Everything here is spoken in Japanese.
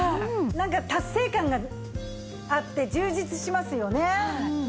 なんか達成感があって充実しますよね。